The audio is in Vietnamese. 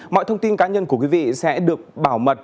mọi thông tin cá nhân của quý vị sẽ được bảo mật